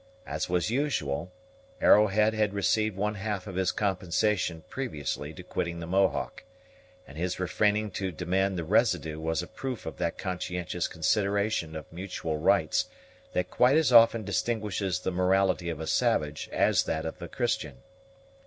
As was usual, Arrowhead had received one half of his compensation previously to quitting the Mohawk; and his refraining to demand the residue was a proof of that conscientious consideration of mutual rights that quite as often distinguishes the morality of a savage as that of a Christian.